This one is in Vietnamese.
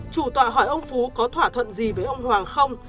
chủ tọa hỏi ông phú có thỏa thuận gì với ông hoàng không